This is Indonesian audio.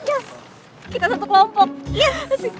yes kita satu kelompok yes